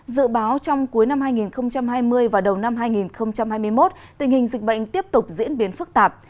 dự báo trong cuối năm hai nghìn hai mươi và đầu năm hai nghìn hai mươi một tình hình dịch bệnh tiếp tục diễn biến phức tạp